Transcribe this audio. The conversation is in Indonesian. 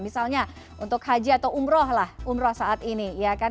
misalnya untuk haji atau umroh lah umroh saat ini ya kan